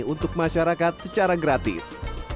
untuk masyarakat secara gratis